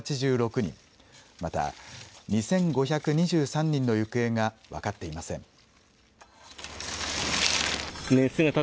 また、２５２３人の行方が分かっていません。